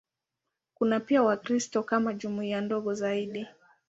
Kuna pia Wakristo kama jumuiya ndogo zaidi.